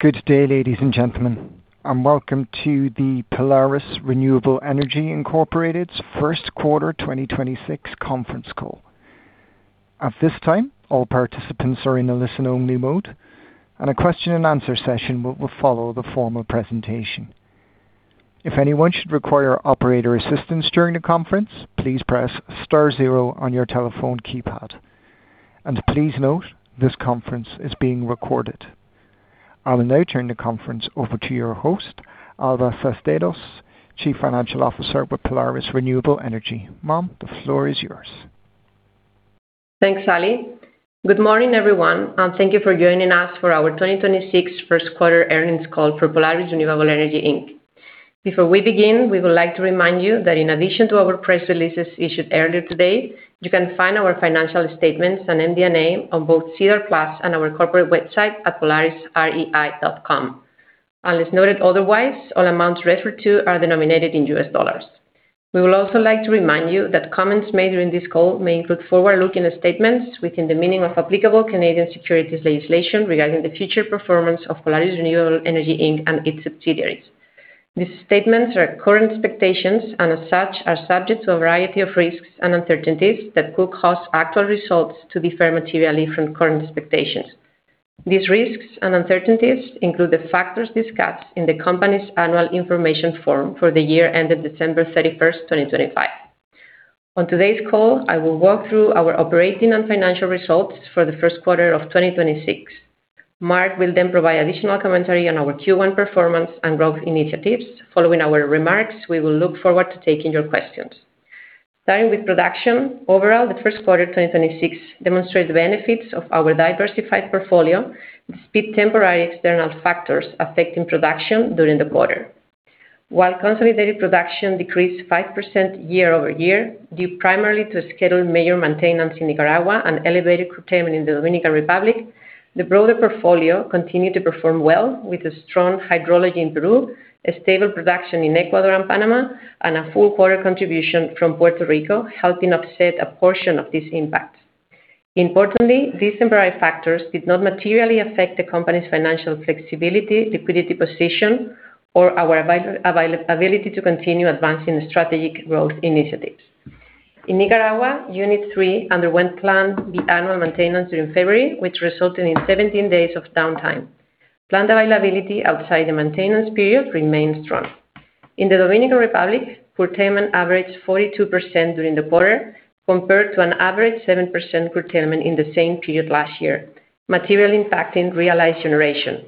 Good day, ladies and gentlemen, welcome to the Polaris Renewable Energy Incorporated's first quarter 2026 conference call. At this time, all participants are in a listen-only mode, and a question and answer session will follow the formal presentation. If anyone should require operator assistance during the conference, please press star zero on your telephone keypad. Please note this conference is being recorded. I will now turn the conference over to your host, Alba Seisdedos, Chief Financial Officer with Polaris Renewable Energy. Ma'am, the floor is yours. Thanks, Ali. Good morning, everyone, and thank you for joining us for our 2026 first quarter earnings call for Polaris Renewable Energy Inc. Before we begin, we would like to remind you that in addition to our press releases issued earlier today, you can find our financial statements and MD&A on both SEDAR+ and our corporate website at polarisrei.com. Unless noted otherwise, all amounts referred to are denominated in US dollars. We would also like to remind you that comments made during this call may include forward-looking statements within the meaning of applicable Canadian securities legislation regarding the future performance of Polaris Renewable Energy Inc. and its subsidiaries. These statements are current expectations and as such, are subject to a variety of risks and uncertainties that could cause actual results to differ materially from current expectations. These risks and uncertainties include the factors discussed in the company's annual information form for the year ended December 31st, 2025. On today's call, I will walk through our operating and financial results for the first quarter of 2026. Marc will then provide additional commentary on our Q1 performance and growth initiatives. Following our remarks, we will look forward to taking your questions. Starting with production. Overall, the first quarter 2026 demonstrate the benefits of our diversified portfolio despite temporary external factors affecting production during the quarter. While consolidated production decreased 5% year-over-year, due primarily to a scheduled major maintenance in Nicaragua and elevated curtailment in the Dominican Republic, the broader portfolio continued to perform well with a strong hydrology in Peru, a stable production in Ecuador and Panama, and a full quarter contribution from Puerto Rico, helping offset a portion of this impact. Importantly, these temporary factors did not materially affect the company's financial flexibility, liquidity position, or our availability to continue advancing strategic growth initiatives. In Nicaragua, unit three underwent planned the annual maintenance during February, which resulted in 17 days of downtime. Plant availability outside the maintenance period remains strong. In the Dominican Republic, curtailment averaged 42% during the quarter, compared to an average 7% curtailment in the same period last year, materially impacting realized generation.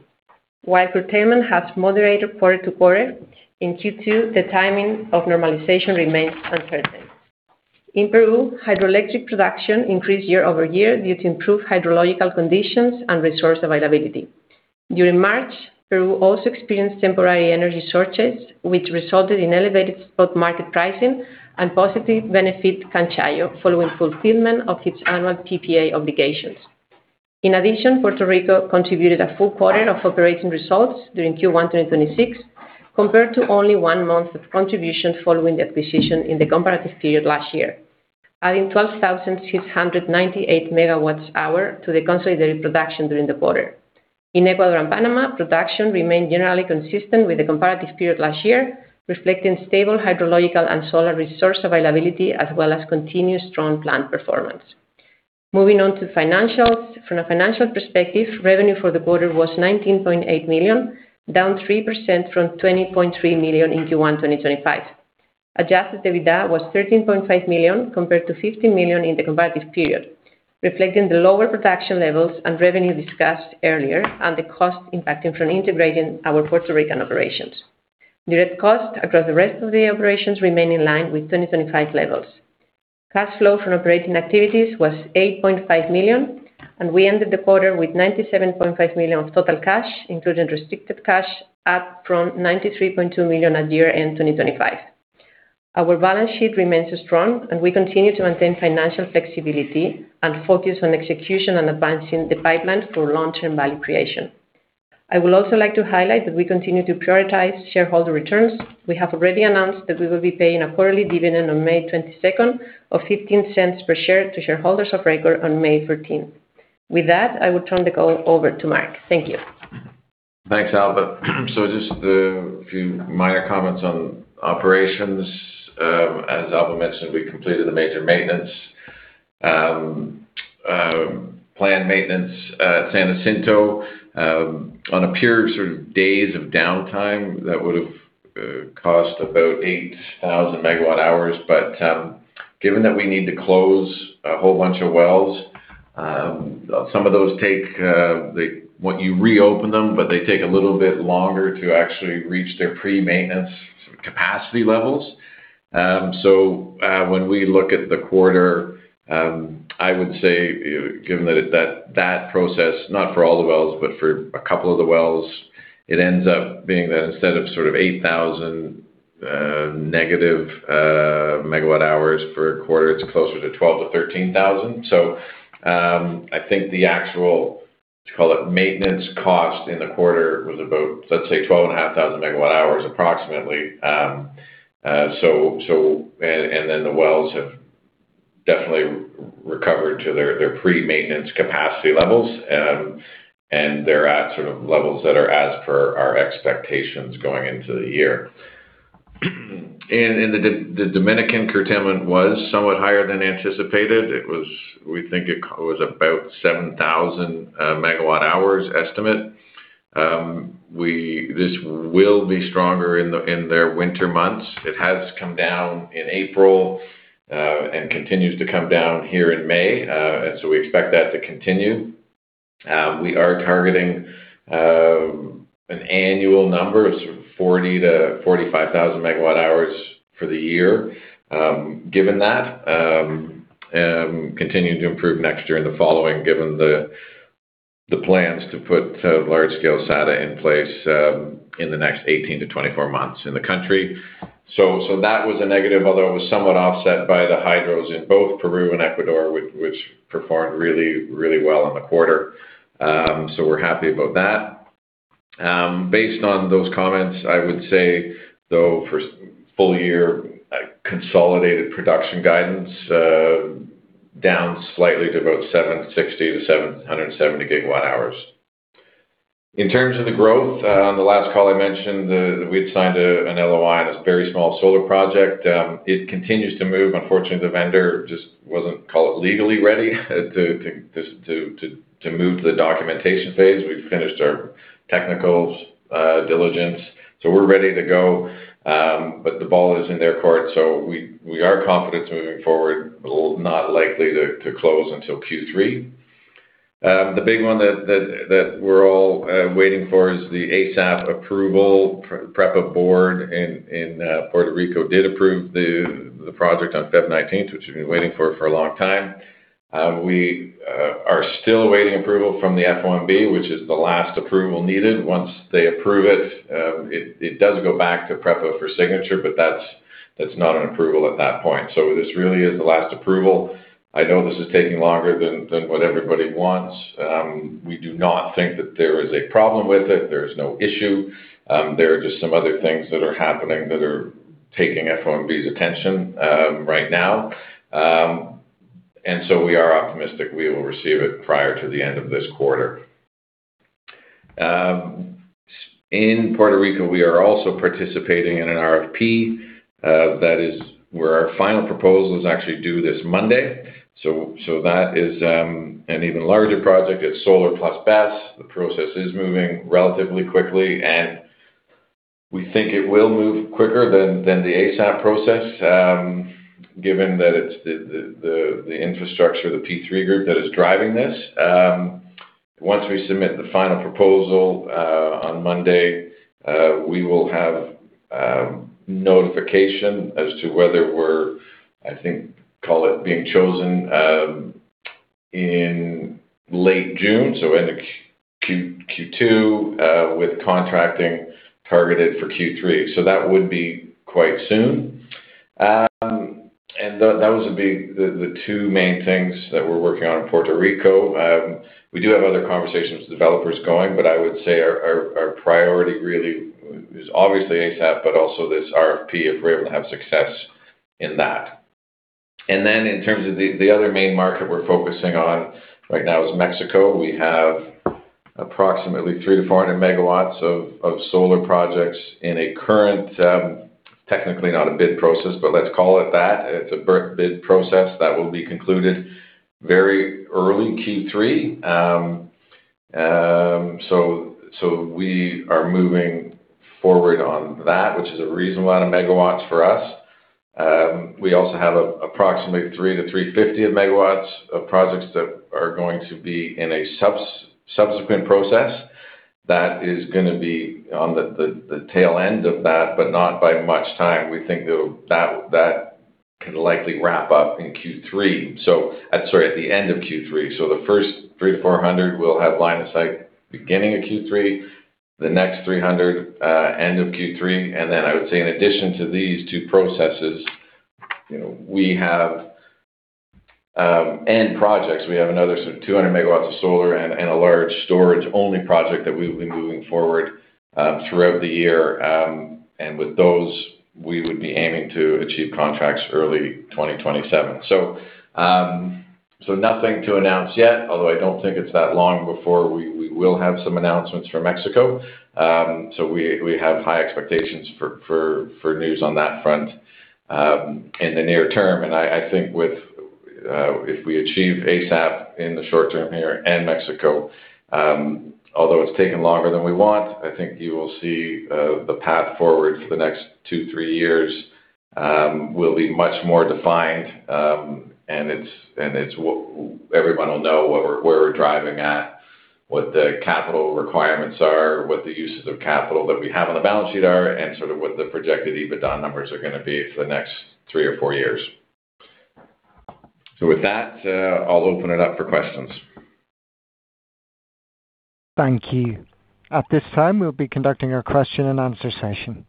Curtailment has moderated quarter-over-quarter, in Q2, the timing of normalization remains uncertain. In Peru, hydroelectric production increased year-over-year due to improved hydrological conditions and resource availability. During March, Peru also experienced temporary energy shortages, which resulted in elevated spot market pricing and positive benefit to Canchayllo following fulfillment of its annual PPA obligations. In addition, Puerto Rico contributed a full quarter of operating results during Q1 2026, compared to only one month of contribution following the acquisition in the comparative period last year, adding 12,698 MWh to the consolidated production during the quarter. In Ecuador and Panama, production remained generally consistent with the comparative period last year, reflecting stable hydrological and solar resource availability, as well as continued strong plant performance. Moving on to financials. From a financial perspective, revenue for the quarter was $19.8 million, down 3% from $20.3 million in Q1 2025. Adjusted EBITDA was $13.5 million compared to $15 million in the comparative period, reflecting the lower production levels and revenue discussed earlier and the cost impacting from integrating our Puerto Rican operations. Direct costs across the rest of the operations remain in line with 2025 levels. Cash flow from operating activities was $8.5 million, and we ended the quarter with $97.5 million of total cash, including restricted cash, up from $93.2 million at year-end 2025. Our balance sheet remains strong, and we continue to maintain financial flexibility and focus on execution and advancing the pipeline for long-term value creation. I would also like to highlight that we continue to prioritize shareholder returns. We have already announced that we will be paying a quarterly dividend on May 22nd of $0.15 per share to shareholders of record on May 13th. With that, I will turn the call over to Marc. Thank you. Thanks, Alba. Just a few minor comments on operations. As Alba mentioned, we completed the major maintenance, planned maintenance at San Jacinto, on a pure sort of days of downtime that would've cost about 8,000 MWh. Given that we need to close a whole bunch of wells, some of those take, when you reopen them, but they take a little bit longer to actually reach their pre-maintenance capacity levels. When we look at the quarter, I would say, given that process, not for all the wells, but for a couple of the wells, it ends up being that instead of sort of -8,000 MWh per quarter, it's closer to 12,000-13,000. I think the actual, let's call it maintenance cost in the quarter was about, let's say, 12,500 MWh approximately. The wells have recovered to their pre-maintenance capacity levels. They're at sort of levels that are as per our expectations going into the year. The Dominican curtailment was somewhat higher than anticipated. We think it was about 7,000 MWh estimate. This will be stronger in their winter months. It has come down in April, continues to come down here in May. We expect that to continue. We are targeting an annual number of sort of 40,000 MWh-45,000 MWh for the year. Given that, continuing to improve next year and the following, given the plans to put large-scale SADA in place in the next 18 to 24 months in the country. That was a negative, although it was somewhat offset by the hydros in both Peru and Ecuador, which performed really well in the quarter. We're happy about that. Based on those comments, I would say, though, for full year consolidated production guidance, down slightly to about 760 GWh-770 GWh. In terms of the growth, on the last call I mentioned we had signed an LOI on this very small solar project. It continues to move. Unfortunately, the vendor just wasn't, call it, legally ready to move to the documentation phase. We've finished our technicals diligence. We're ready to go, but the ball is in their court, so we are confident moving forward, but will not likely to close until Q3. The big one that we're all waiting for is the ASAP approval. PREPA board in Puerto Rico did approve the project on February 19th, which we've been waiting for for a long time. We are still awaiting approval from the FOMB, which is the last approval needed. Once they approve it does go back to PREPA for signature, but that's not an approval at that point. This really is the last approval. I know this is taking longer than what everybody wants. We do not think that there is a problem with it. There is no issue. There are just some other things that are happening that are taking FOMB's attention right now. We are optimistic we will receive it prior to the end of this quarter. In Puerto Rico, we are also participating in an RFP that is where our final proposal is actually due this Monday. That is an even larger project. It's solar plus BESS. The process is moving relatively quickly, and we think it will move quicker than the ASAP process given that it's the infrastructure, the P3 group that is driving this. Once we submit the final proposal on Monday, we will have notification as to whether we're, I think, call it, being chosen in late June, so end of Q2, with contracting targeted for Q3. That would be quite soon. And those would be the two main things that we're working on in Puerto Rico. We do have other conversations with developers going, but I would say our priority really is obviously ASAP, but also this RFP if we're able to have success in that. In terms of the other main market we're focusing on right now is Mexico. We have approximately 300 MW-400 MW of solar projects in a current, technically not a bid process, but let's call it that. It's a bid process that will be concluded very early Q3. We are moving forward on that, which is a reasonable of megawatt for us. We also have approximately 300 MW-350 MW of projects that are going to be in a subsequent process. That is gonna be on the tail end of that, but not by much time. We think that could likely wrap up in Q3. At the end of Q3. The first 300-400 will have line of sight beginning of Q3. The next 300, end of Q3. I would say in addition to these two processes, you know, we have another sort of 200 MW of solar and a large storage-only project that we'll be moving forward throughout the year. With those, we would be aiming to achieve contracts early 2027. Nothing to announce yet, although I don't think it's that long before we will have some announcements for Mexico. We have high expectations for news on that front in the near term. I think with if we achieve ASAP in the short term here and Mexico, although it's taken longer than we want, I think you will see the path forward for the next two, three years will be much more defined. Everyone will know what where we're driving at, what the capital requirements are, what the uses of capital that we have on the balance sheet are, and sort of what the projected EBITDA numbers are gonna be for the next three or four years. With that, I'll open it up for questions. Thank you. At this time, we'll be conducting our question and answer session.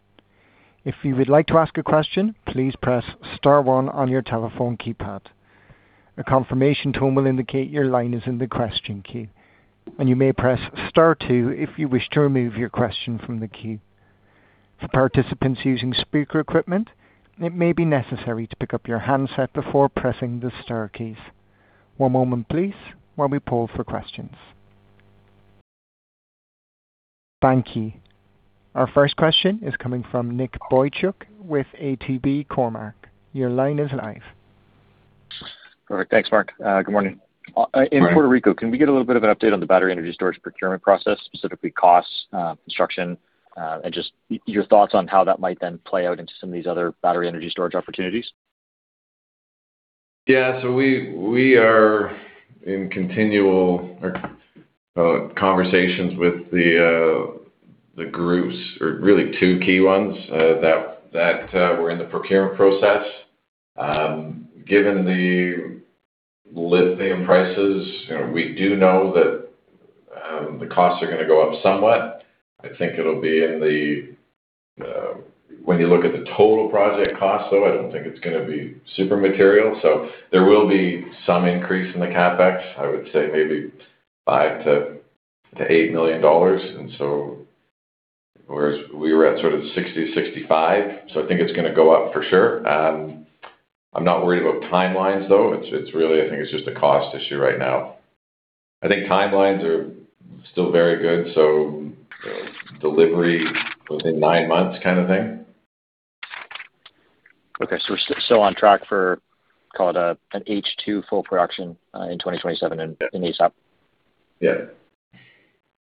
If you would like to ask a question, please press star one on your telephone keypad. A confirmation tone will indicate your line is in the question queue, and you may press star two if you wish to remove your question from the queue. For participants using speaker equipment, it may be necessary to pick up your handset before pressing the star keys. One moment please while we poll for questions. Thank you. Our first question is coming from Nick Boychuk with ATB Cormark. Your line is live. Perfect. Thanks, Marc. Good morning. Good morning. In Puerto Rico, can we get a little bit of an update on the battery energy storage procurement process, specifically costs, construction, and just your thoughts on how that might then play out into some of these other battery energy storage opportunities? We are in continual conversations with the groups or really two key ones that were in the procurement process. Given the lithium prices, you know, we do know that the costs are gonna go up somewhat. I think it'll be in the, when you look at the total project cost though, I don't think it's gonna be super material. There will be some increase in the CapEx, I would say maybe $5 million-$8 million. Whereas we were at sort of $60 million-$65 million, I think it's gonna go up for sure. I'm not worried about timelines though. It's really, I think it's just a cost issue right now. I think timelines are still very good, so delivery within nine months kind of thing. Okay. We're still on track for, call it, an H2 full production, in 2027 in ASAP? Yeah.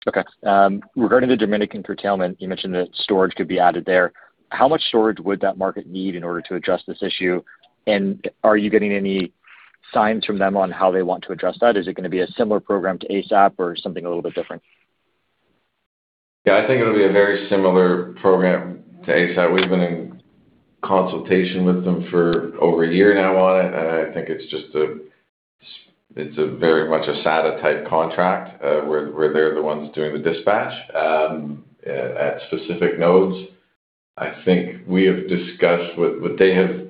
Okay. Regarding the Dominican curtailment, you mentioned that storage could be added there. How much storage would that market need in order to address this issue? Are you getting any signs from them on how they want to address that? Is it gonna be a similar program to ASAP or something a little bit different? Yeah, I think it'll be a very similar program to ASAP. We've been in consultation with them for over a year now on it, and I think it's just a very much a SADA-type contract, where they're the ones doing the dispatch at specific nodes. I think we have discussed what they have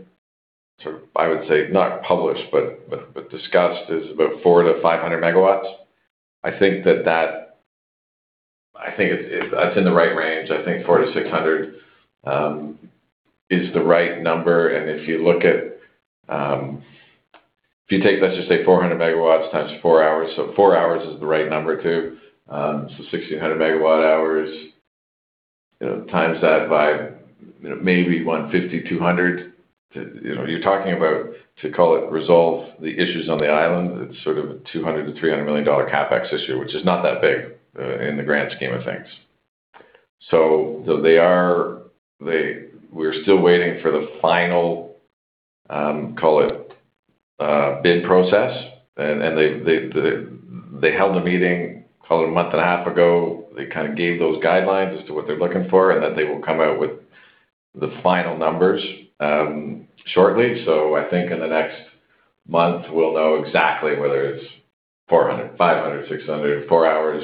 sort of, I would say, not published, but discussed is about 400 MW-500 MW. I think that I think it's that's in the right range. I think 400 MW-600 MW is the right number. If you look at, if you take, let's just say 400 MW times four hours, so four hours is the right number too. 1,600 MWh, you know, times that by, you know, maybe 150, 200 to you know, you're talking about to call it resolve the issues on the island. It's sort of a $200 million-$300 million CapEx issue, which is not that big in the grand scheme of things. We're still waiting for the final, call it, bid process. They held a meeting call it a month and a half ago. They kind of gave those guidelines as to what they're looking for, and that they will come out with the final numbers shortly. I think in the next month we'll know exactly whether it's 400, 500, 600, four hours,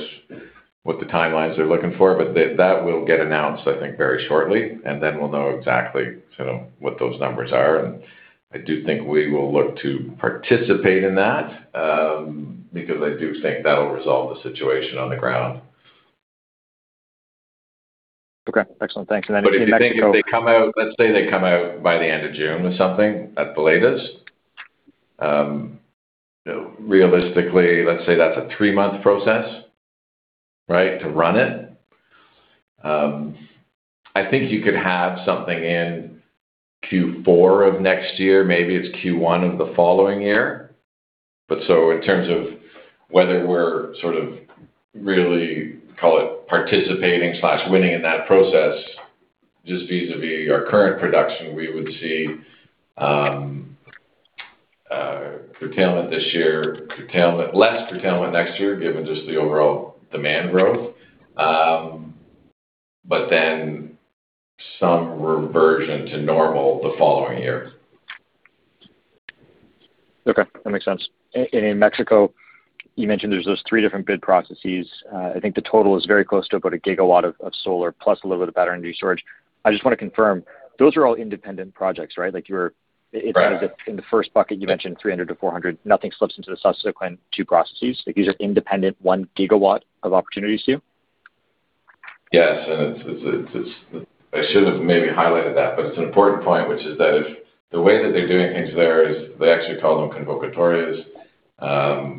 what the timelines they're looking for. That will get announced, I think, very shortly, then we'll know exactly, you know, what those numbers are. I do think we will look to participate in that, because I do think that'll resolve the situation on the ground. Okay. Excellent. Thanks. In Mexico. If you think, let's say they come out by the end of June or something at the latest. You know, realistically, let's say that's a three-month process, right? To run it. I think you could have something in Q4 of next year, maybe it's Q1 of the following year. In terms of whether we're sort of really call it participating/winning in that process, just vis-à-vis our current production, we would see curtailment this year, less curtailment next year given just the overall demand growth. Some reversion to normal the following year. Okay. That makes sense. In Mexico, you mentioned there's those three different bid processes. I think the total is very close to about a gigawatt of solar plus a little bit of battery energy storage. I just wanna confirm, those are all independent projects, right? Like you're. Right. It's not as if in the first bucket you mentioned 300 to 400, nothing slips into the subsequent two processes. Like, these are independent 1 GW of opportunities to you? Yes. It's I should have maybe highlighted that, but it's an important point, which is that if the way that they're doing things there is they actually call them convocatorias,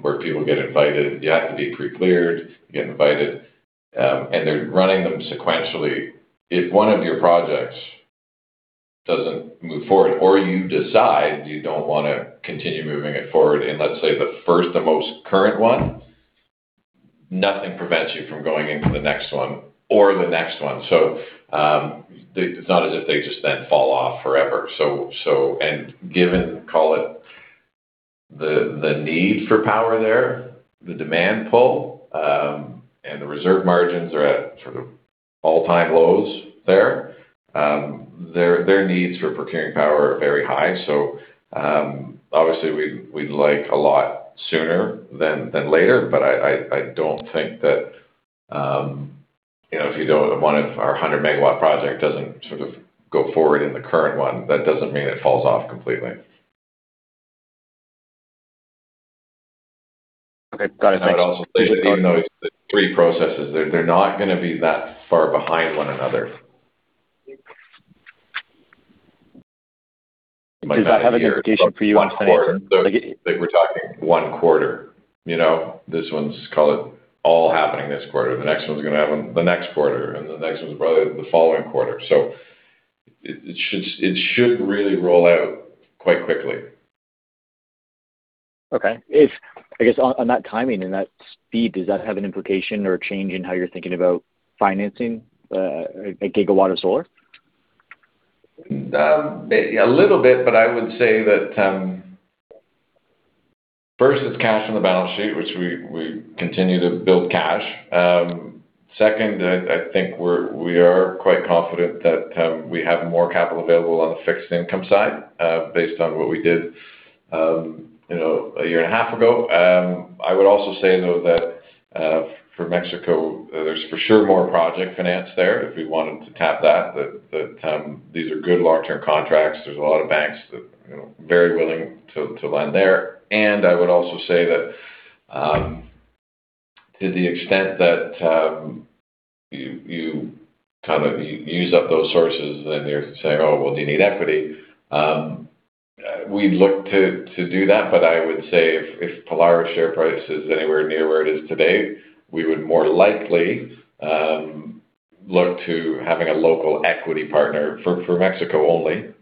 where people get invited. You have to be pre-cleared to get invited. They're running them sequentially. If one of your projects doesn't move forward or you decide you don't wanna continue moving it forward in, let's say, the first and most current one, nothing prevents you from going into the next one or the next one. It's not as if they just then fall off forever. Given, call it, the need for power there, the demand pull, and the reserve margins are at sort of all-time lows there. Their needs for procuring power are very high. Obviously we'd like a lot sooner than later, but I don't think that, you know, if one of our 100 MW project doesn't sort of go forward in the current one, that doesn't mean it falls off completely. Okay, got it. Thanks. Also even though it's three processes, they're not gonna be that far behind one another. Does that have an implication for you on financing? Like we're talking one quarter. You know, this one's call it all happening this quarter. The next one's gonna happen the next quarter. The next one's probably the following quarter. It should really roll out quite quickly. Okay. I guess on that timing and that speed, does that have an implication or a change in how you're thinking about financing a gigawatt of solar? A little bit, I would say that, first it's cash on the balance sheet, which we continue to build cash. Second, I think we are quite confident that, we have more capital available on the fixed income side, based on what we did, you know, a year half ago. I would also say though that, for Mexico, there's for sure more project finance there if we wanted to tap that. These are good long-term contracts. There's a lot of banks that, you know, very willing to lend there. I would also say that, to the extent that, you kind of use up those sources, then you're saying, "Oh, well, do you need equity?" We look to do that, but I would say if Polaris share price is anywhere near where it is today, we would more likely look to having a local equity partner for Mexico only.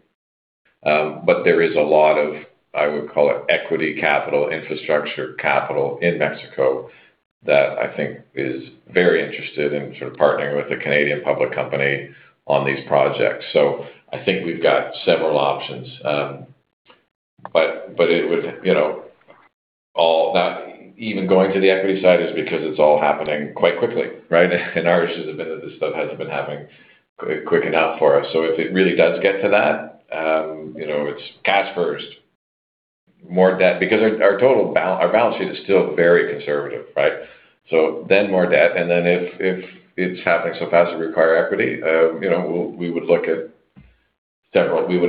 There is a lot of, I would call it equity capital, infrastructure capital in Mexico that I think is very interested in sort of partnering with a Canadian public company on these projects. I think we've got several options. It would, you know, all not even going to the equity side is because it's all happening quite quickly, right? Ours has been that this stuff hasn't been happening quick enough for us. If it really does get to that, you know, it's cash first, more debt. Our total balance sheet is still very conservative, right? More debt, and then if it's happening so fast we require equity, you know, we would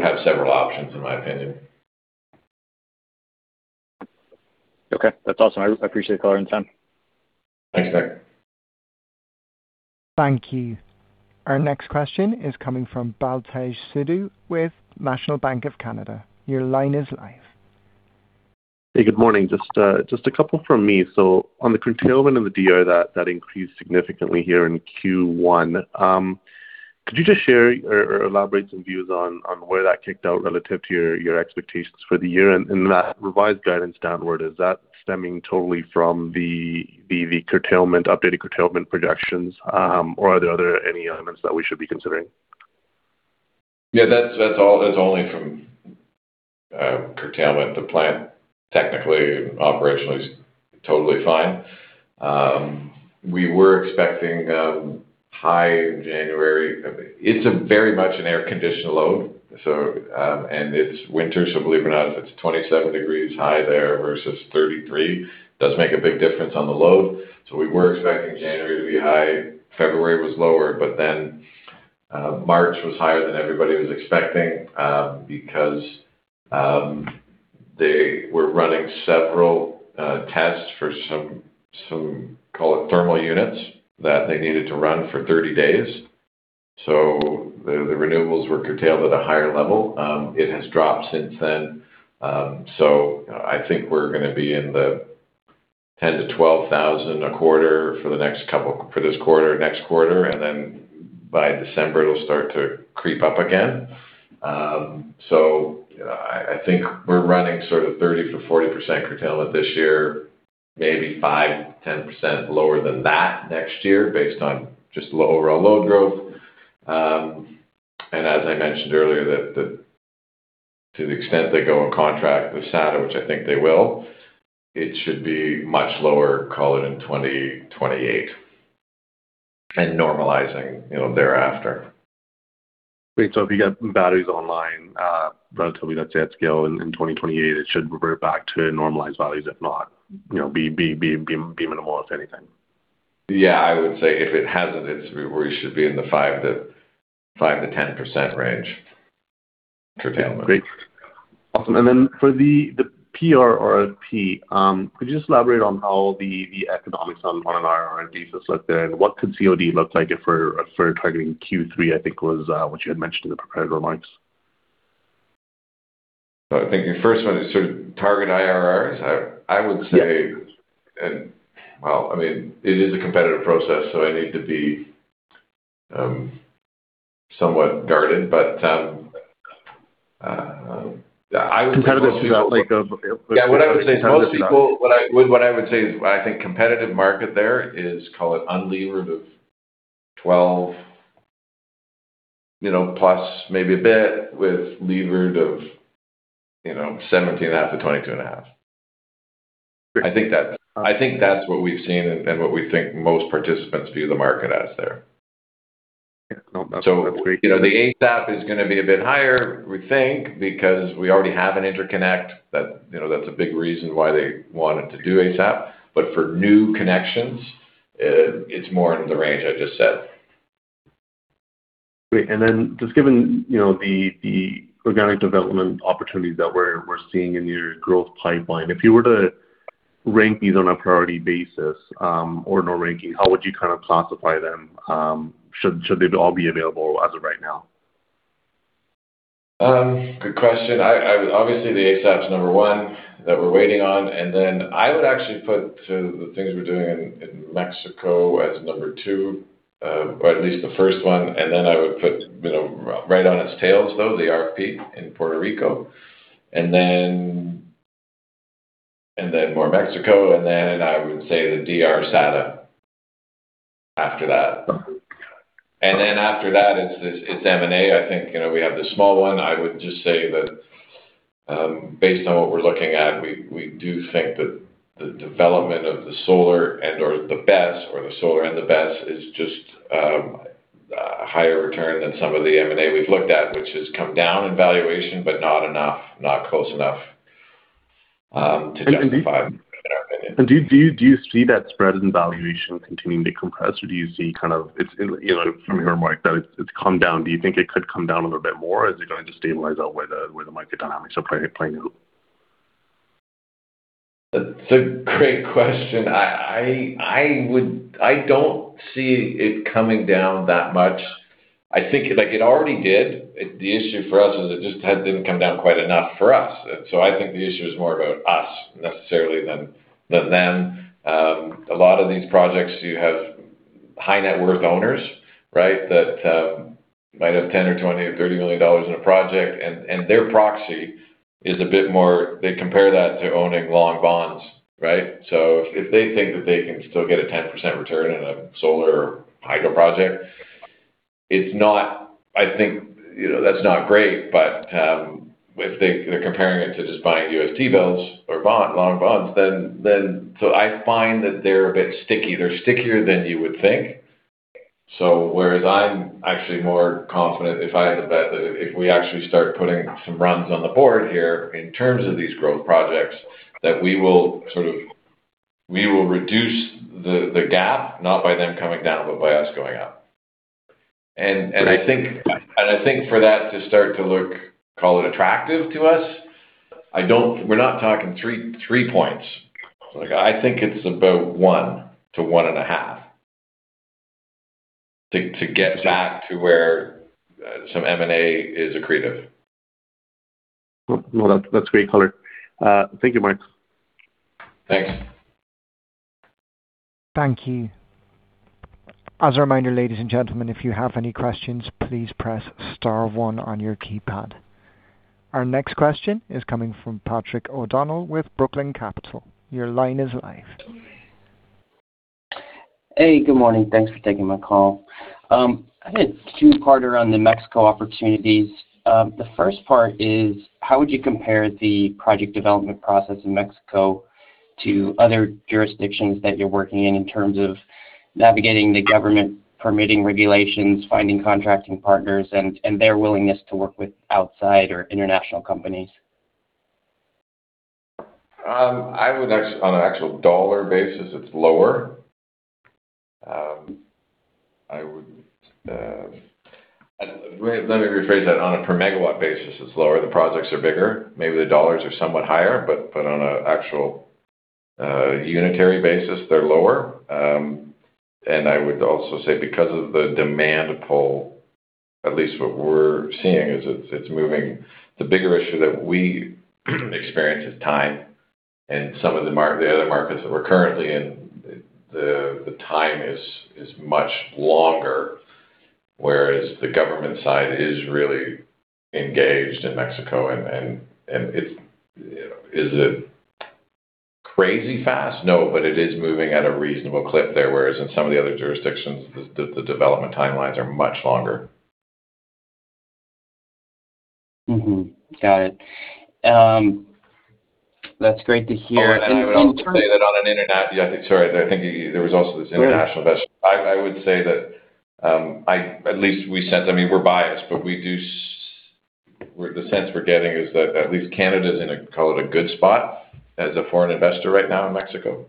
have several options, in my opinion. Okay. That's awesome. I appreciate the color and time. Thanks, Nick. Thank you. Our next question is coming from Baltej Sidhu with National Bank of Canada. Your line is live. Hey, good morning. Just a couple from me. On the curtailment of the DR that increased significantly here in Q1, could you just share or elaborate some views on where that kicked out relative to your expectations for the year? That revised guidance downward, is that stemming totally from the curtailment, updated curtailment projections, or are there other, any elements that we should be considering? That's only from curtailment. The plant technically and operationally is totally fine. We were expecting high in January. It's a very much an air-conditioned load, so, and it's winter, so believe it or not, if it's 27 degrees high there versus 33, does make a big difference on the load. We were expecting January to be high. February was lower. March was higher than everybody was expecting because they were running several tests for some call it thermal units that they needed to run for 30 days. The renewables were curtailed at a higher level. It has dropped since then. I think we're gonna be in the $10,000-$12,000 a quarter for this quarter, next quarter, and then by December, it'll start to creep up again. I think we're running sort of 30%-40% curtailment this year, maybe 5%, 10% lower than that next year based on just lower load growth. As I mentioned earlier, to the extent they go and contract with SADA, which I think they will, it should be much lower, call it in 2028, and normalizing, you know, thereafter. Great. If you get batteries online, relatively, let's say, at scale in 2028, it should revert back to normalized values. If not, you know, be minimal, if anything. Yeah, I would say if it hasn't, it's where you should be in the 5%-10% range curtailment. Great. Awesome. For the PRRP, could you just elaborate on how the economics on an [PRRP] has looked, and what could COD look like if we're targeting Q3, I think was what you had mentioned in the prepared remarks? I think the first one is sort of target IRRs. Yeah. Well, I mean, it is a competitive process, so I need to be somewhat guarded. I would say most people. Competitive is like a- Yeah. Most people- What I would say is I think competitive market there is, call it unlevered of $12, you know, plus maybe a bit with levered of, you know, $17.5-$22.5. Great. I think that's what we've seen and what we think most participants view the market as there. Yeah. No, that's great. You know, the ASAP is gonna be a bit higher, we think, because we already have an interconnect. That, you know, that's a big reason why they wanted to do ASAP. For new connections, it's more in the range I just said. Great. Then just given, you know, the organic development opportunities that we're seeing in your growth pipeline, if you were to rank these on a priority basis, or no ranking, how would you kind of classify them, should they all be available as of right now? Good question. I would obviously, the ASAP number one that we're waiting on. Then I would actually put the things we're doing in Mexico as number two, or at least the first one. Then I would put, you know, right on its tails though, the RFP in Puerto Rico. Then, and then more Mexico, and then, and I would say the DR SADA after that. Then after that, it's this, it's M&A. I think, you know, we have the small one. I would just say that, based on what we're looking at, we do think that the development of the solar and/or the BESS or the solar and the BESS is just a higher return than some of the M&A we've looked at, which has come down in valuation, but not enough, not close enough, to justify it in our opinion. Do you see that spread in valuation continuing to compress, or do you see you know, from your remark that it's come down. Do you think it could come down a little bit more? Is it going to stabilize out where the, where the market dynamics are playing out? That's a great question. I don't see it coming down that much. I think, like, it already did. The issue for us is it just has didn't come down quite enough for us. I think the issue is more about us necessarily than them. A lot of these projects, you have high net worth owners, right? That might have $10 million or $20 million or $30 million in a project, and their proxy is a bit more They compare that to owning long bonds, right? If they think that they can still get a 10% return on a solar hydro project, I think, you know, that's not great. If they're comparing it to just buying UST bills or long bonds, I find that they're a bit sticky. They're stickier than you would think. Whereas I'm actually more confident if I had to bet that if we actually start putting some runs on the board here in terms of these growth projects, that we will reduce the gap, not by them coming down, but by us going up. Great. I think for that to start to look, call it attractive to us. We're not talking three points. Like I think it's about 1-1.5 to get back to where some M&A is accretive. Well, no, that's great color. Thank you, Marc. Thanks. Thank you. As a reminder, ladies and gentlemen, if you have any questions, please press star one on your keypad. Our next question is coming from [Patrick O'Donnell] with Brookline Capital. Your line is live. Hey, good morning. Thanks for taking my call. I had two-parter on the Mexico opportunities. The first part is, how would you compare the project development process in Mexico to other jurisdictions that you're working in in terms of navigating the government permitting regulations, finding contracting partners and their willingness to work with outside or international companies? I would, on an actual dollar basis, it's lower. I would, let me rephrase that. On a per megawatt basis, it's lower. The projects are bigger. Maybe the dollars are somewhat higher, but on an actual unitary basis, they're lower. And I would also say because of the demand pull, at least what we're seeing is it's moving. The bigger issue that we experience is time. In some of the other markets that we're currently in, the time is much longer, whereas the government side is really engaged in Mexico and it's Is it crazy fast? No, it is moving at a reasonable clip there, whereas in some of the other jurisdictions, the development timelines are much longer. Got it. That's great to hear. Oh. Yeah, sorry. I think there was also this international invest-. Go ahead. I would say that, at least we sense, I mean, we're biased, but the sense we're getting is that at least Canada is in a, call it a good spot as a foreign investor right now in Mexico.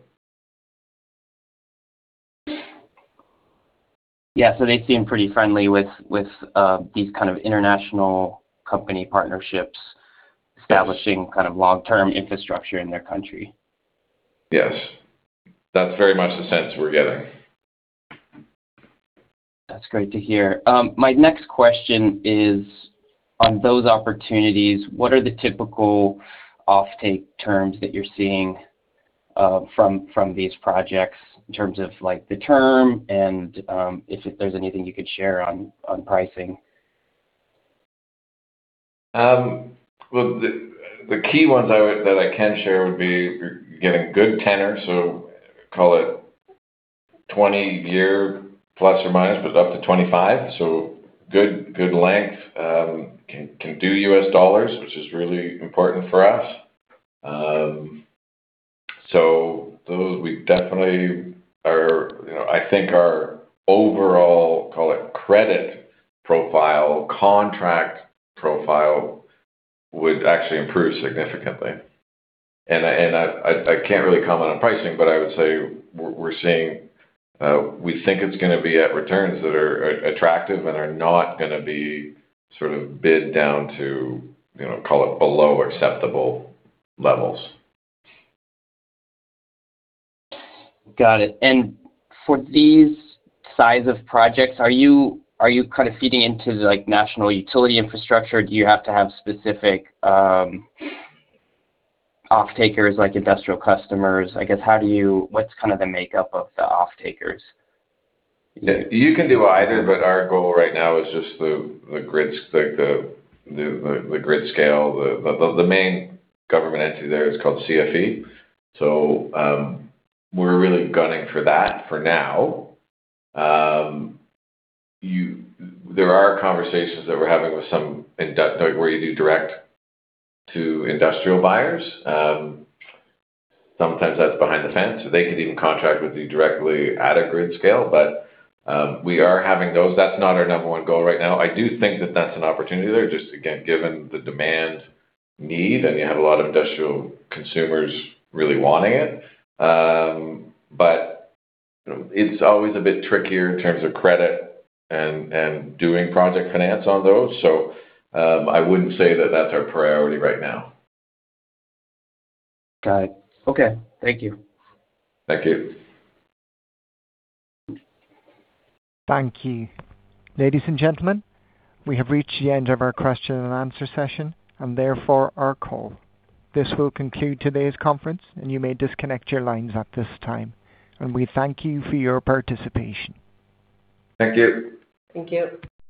Yeah. They seem pretty friendly with these kind of international company partnerships establishing kind of long-term infrastructure in their country. Yes. That's very much the sense we're getting. That's great to hear. My next question is, on those opportunities, what are the typical offtake terms that you're seeing, from these projects in terms of like the term and, if there's anything you could share on pricing? Well, the key ones that I can share would be you're getting good tenor, so call it 20 year ±, but up to 25. Good, good length. Can do US dollars, which is really important for us. Those we definitely, you know, I think our overall, call it credit profile, contract profile would actually improve significantly. I can't really comment on pricing, but I would say we're seeing, we think it's gonna be at returns that are attractive and are not gonna be sort of bid down to, you know, call it below acceptable levels. Got it. For these size of projects, are you kind of feeding into like national utility infrastructure, or do you have to have specific off-takers like industrial customers? I guess, what's kind of the makeup of the off-takers? You can do either. Our goal right now is just the grid scale. The main government entity there is called CFE. We're really gunning for that for now. There are conversations that we're having with some where you do direct to industrial buyers. Sometimes that's behind the fence. They could even contract with you directly at a grid scale. We are having those. That's not our number one goal right now. I do think that that's an opportunity there, just again, given the demand need, and you have a lot of industrial consumers really wanting it. It's always a bit trickier in terms of credit and doing project finance on those. I wouldn't say that that's our priority right now. Got it. Okay. Thank you. Thank you. Thank you. Ladies and gentlemen, we have reached the end of our question and answer session, and therefore our call. This will conclude today's conference, and you may disconnect your lines at this time. We thank you for your participation. Thank you. Thank you.